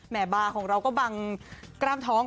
บาร์ของเราก็บังกล้ามท้อง